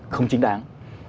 không chính đáng